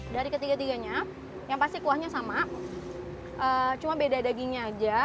dari ketiga tiganya yang pasti kuahnya sama cuma beda dagingnya aja